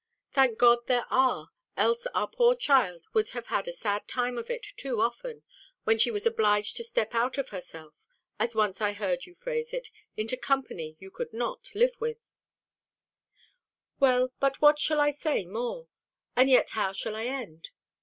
Thank God there are; else our poor child would have had a sad time of it too often, when she was obliged to step out of herself, as once I heard you phrase it, into company you could not live with. Well, but what shall I say more? and yet how shall I end?